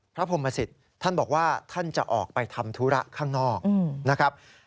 พระพรมศิษย์ท่านบอกว่าท่านจะออกไปทำธุระข้างนอกนะครับ